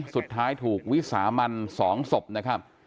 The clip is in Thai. สุดท้ายถูกวิสามัน๒ศพนะครับ